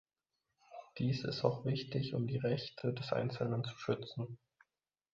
Dies ist auch wichtig, um die Rechte des einzelnen zu schützen.